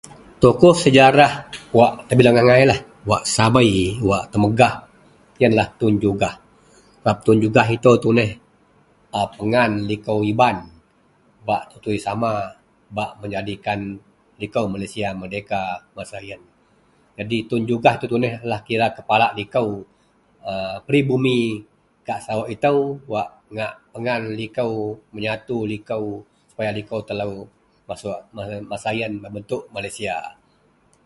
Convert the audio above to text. tokoh sejarah wak terbilang agailah wak sabei, wak termegah ienlah tun jugah sebab tun jugah itou tuneh a pegan liko iban bak tutui sama bak menjadikan liko malaysia merdeka masa ien, jadi Tun jugah itou tuneh kira kepala liko a peribumi gak sarawak itou, wak ngak pegan liko, meyatu liko supaya liko telou masuk masa ien membentuk liko malaysia